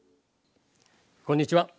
こんにちは。